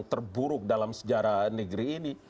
terburuk dalam sejarah negeri ini